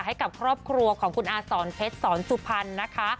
ให้กับครอบครัวของคุณอาสอนเพชรสอนสุพรรณนะคะ